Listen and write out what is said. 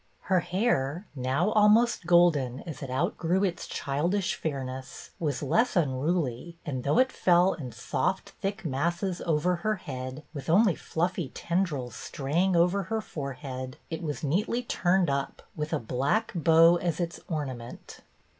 Her hair, now almost golden as it outgrew its childish fairness, was less unruly and, though it felt in soft thick masses over her head, with only fluffy tendrils straying over her forehead, it was neatly turned up, with a black bow as its ornament.